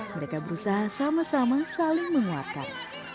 mereka berusaha sama sama saling menguatkan